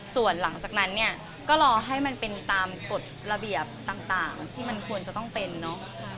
ส่วนหลังจากนั้นเนี่ยก็รอให้มันเป็นตามกฎระเบียบต่างที่มันควรจะต้องเป็นเนาะ